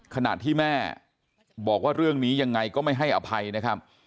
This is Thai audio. ขณะที่แม่บอกว่าเรื่องนี้ยังไงก็ไม่ให้อภัยนะครับ